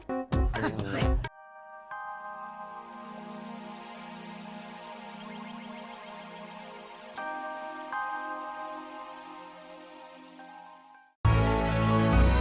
tidak ini anjingnya